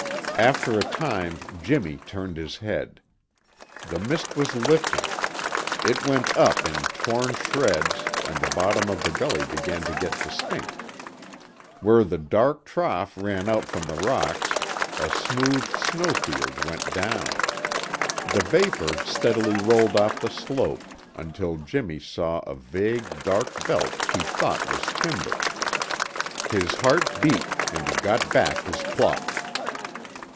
After a time Jimmy turned his head. The mist was lifting. It went up in torn shreds and the bottom of the gully began to get distinct. Where the dark trough ran out from the rocks a smooth snow field went down. The vapor steadily rolled off the slope, until Jimmy saw a vague, dark belt he thought was timber. His heart beat and he got back his pluck.